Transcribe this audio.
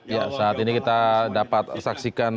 ya saat ini kita dapat saksikan